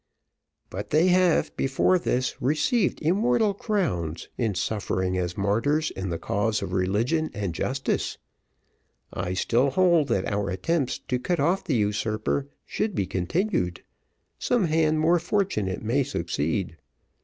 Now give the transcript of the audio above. "But they have, before this, received immortal crowns, in suffering as martyrs in the cause of religion and justice. I still hold that our attempts to cut off the usurper should be continued; some hand more fortunate may succeed.